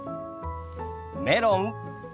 メロン。